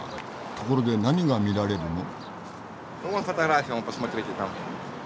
ところで何が見られるの？